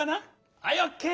はいオッケー！